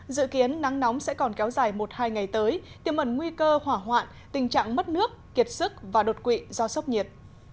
dự kiến nắng nóng sẽ còn kéo dài một hai ngày tới tiêm ẩn nguy cơ hỏa hoạn tình trạng mất nước kiệt sức và đột quỵ do sốc nhiệt